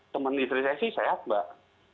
teman istri saya sih sehat mbak